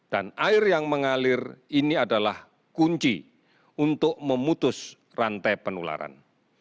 dan air yang mengalir ini adalah kunci untuk memutus rantai penularan